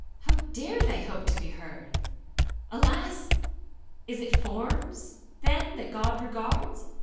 How dare they hope to be heard? Alas! is it forms then that God regards?